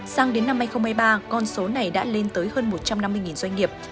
sang đến năm hai nghìn hai mươi ba con số này đã lên tới hơn một trăm năm mươi doanh nghiệp